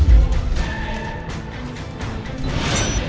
tidak ada disini